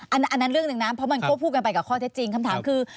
อันนั้นเรื่องหนึ่งนะเพราะมันควบคู่กันไปกับข้อเท็จจริงคำถามคือ